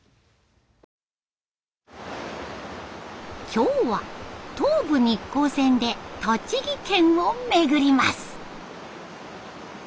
今日は東武日光線で栃木県を巡ります。